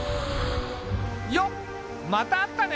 よっまた会ったね。